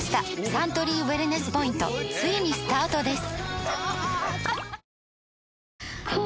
サントリーウエルネスポイントついにスタートです！